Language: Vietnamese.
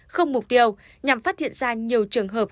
không mục tiêu nhằm phát hiện ra nhiều trường hợp